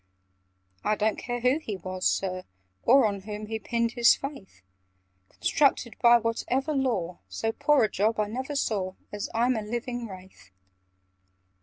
"I don't care who he was, Sir, or On whom he pinned his faith! Constructed by whatever law, So poor a job I never saw, As I'm a living Wraith!